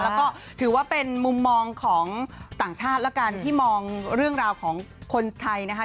แล้วก็ถือว่าเป็นมุมมองของต่างชาติแล้วกันที่มองเรื่องราวของคนไทยนะคะ